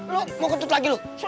lu mau kentut lagi lu